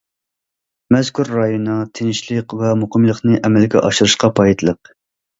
مەزكۇر رايوننىڭ تىنچلىق ۋە مۇقىملىقىنى ئەمەلگە ئاشۇرۇشقا پايدىلىق.